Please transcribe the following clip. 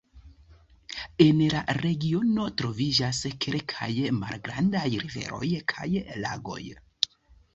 En la regiono troviĝas kelkaj malgrandaj riveroj kaj lagoj.